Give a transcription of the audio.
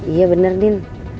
iya bener din